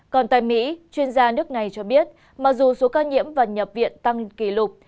còn tại mỹ chuyên gia nước này cho biết mặc dù số ca nhiễm và nhập viện tăng kỷ lục